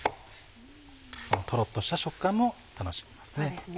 トロっとした食感も楽しめますね。